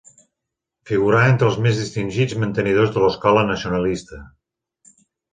Figurà entre els més distingits mantenidors de l'escola nacionalista.